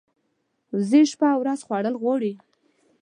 وزې شپه او ورځ خوړل غواړي